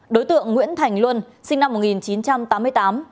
đối tượng nguyễn thành luân sinh năm một nghìn chín trăm tám mươi tám